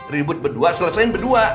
ribut berdua selesaikan berdua